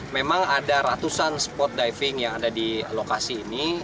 memang ada ratusan spot diving yang ada di lokasi ini